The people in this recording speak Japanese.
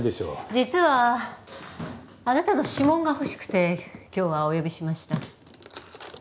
実はあなたの指紋が欲しくて今日はお呼びしました。